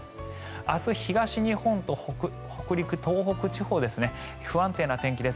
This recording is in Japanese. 明日、東日本と北陸、東北地方不安定な天気です。